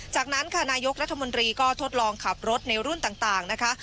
จากนั้นค่ะนายกรัฐมนตรีก็ทดลองขับรถในรุ่นต่างนะคะ